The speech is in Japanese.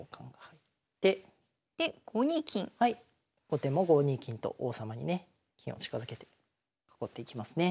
後手も５二金と王様にね金を近づけて囲っていきますね。